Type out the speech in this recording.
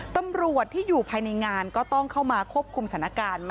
ตำรวจที่อยู่ภายในงานก็ต้องเข้ามาควบคุมสถานการณ์